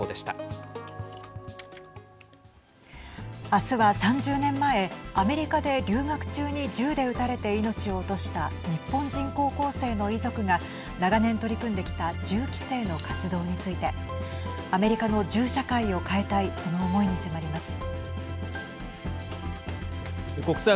明日は３０年前アメリカで留学中に銃で撃たれて命を落とした日本人高校生の遺族が長年、取り組んできた銃規制の活動についてアメリカの銃社会を変えたいその思いに迫ります。